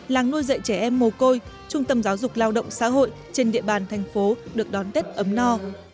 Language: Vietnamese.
làng nuôi dạy trẻ em mồ côi trung tâm giáo dục lao động xã hội trên địa bàn thành phố được đón tết ấm no